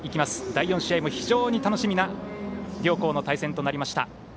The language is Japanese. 第４試合も非常に楽しみな両校の対戦となりました。